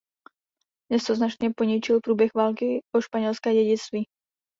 Město značně poničil průběh války o španělské dědictví.